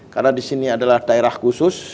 karena di sini adalah daerah khusus